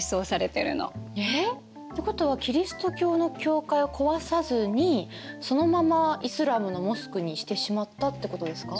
えっ！ということはキリスト教の教会を壊さずにそのままイスラームのモスクにしてしまったってことですか？